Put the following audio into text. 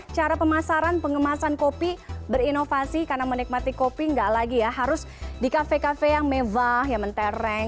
cara pemasaran pengemasan kopi berinovasi karena menikmati kopi enggak lagi ya harus di kafe kafe yang mewah yang mentereng